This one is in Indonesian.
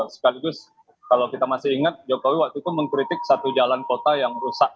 sekaligus kalau kita masih ingat jokowi waktu itu mengkritik satu jalan kota yang rusak